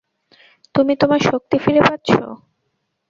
তুমি তোমার শক্তি ফিরে পাচ্ছো।